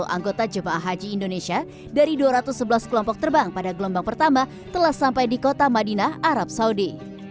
delapan puluh satu satu ratus sembilan puluh anggota jemaah haji indonesia dari dua ratus sebelas kelompok terbang pada gelombang pertama telah sampai di kota madinah arab saudi